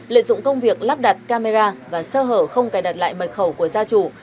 lợi dụng công việc lắp đặt camera và sơ hở không cài đặt lại mật khẩu của gia chủ